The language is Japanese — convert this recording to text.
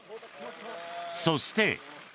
そして。